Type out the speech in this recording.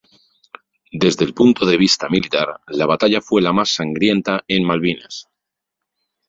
Desde el punto de vista militar la batalla fue la más sangrienta en Malvinas.